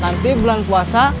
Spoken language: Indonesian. nanti bulan puasa